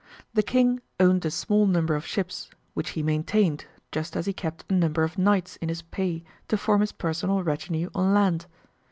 The King owned a small number of ships, which he maintained just as he kept a number of knights in his pay to form his personal retinue on land.